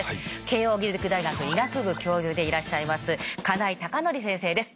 慶應義塾大学医学部教授でいらっしゃいます金井隆典先生です。